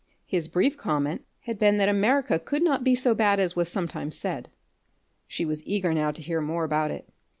His brief comment had been that America could not be so bad as was sometimes said. She was eager now to hear more about it.